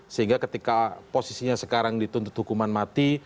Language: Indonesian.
sehingga ketika posisinya sekarang dituntut hukuman mati